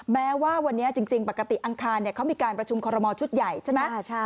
แม้ว่าวันนี้จริงปกติอังคารเขามีการประชุมคอรมอลชุดใหญ่ใช่ไหม